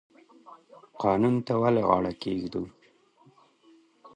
قانون ته ولې غاړه کیږدو؟